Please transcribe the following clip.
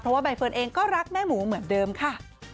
เพราะว่าใบเฟิร์นเองก็รักแม่หมูเหมือนเดิมค่ะ